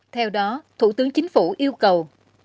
theo đó thủ tướng chính phủ yêu cầu